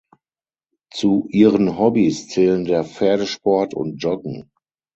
Zu ihren Hobbys zählen der Pferdesport und Joggen.